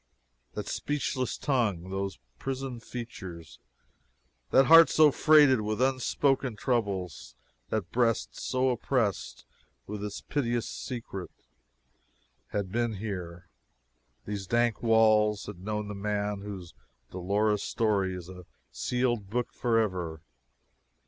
That speechless tongue, those prisoned features, that heart so freighted with unspoken troubles, and that breast so oppressed with its piteous secret had been here. These dank walls had known the man whose dolorous story is a sealed book forever!